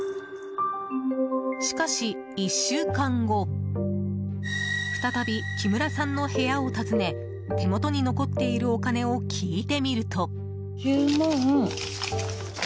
しかし、１週間後再び木村さんの部屋を訪ね手元に残っているお金を聞いてみると。